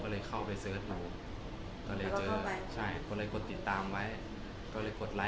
ผมเลยเข้าไปเสิร์ชดูก็เลยเขาไปกดติดตามไว้กดไล็กดไล้